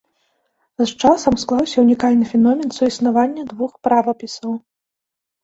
З часам склаўся ўнікальны феномен суіснавання двух правапісаў.